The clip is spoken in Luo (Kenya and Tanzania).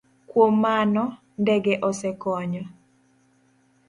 Kuom mano, ndege osekonyo